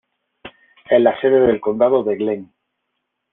Es la sede del condado de Glenn.